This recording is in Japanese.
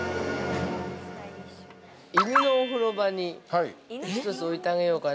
◆犬のお風呂場に１つ置いてあげようかな。